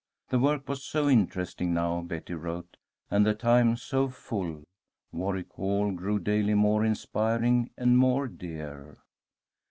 The work was so interesting now, Betty wrote, and the time so full, Warwick Hall grew daily more inspiring and more dear.